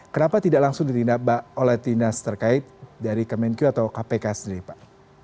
kenapa tidak langsung dididak pak oleh tindas terkait dari kemenkyu atau kpk sendiri pak